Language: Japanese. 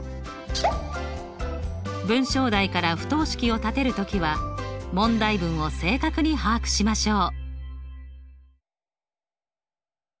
文章題から不等式を立てる時は問題文を正確に把握しましょう。